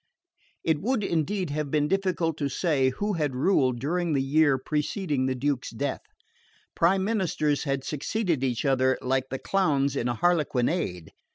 It would indeed have been difficult to say who had ruled during the year preceding the Duke's death. Prime ministers had succeeded each other like the clowns in a harlequinade.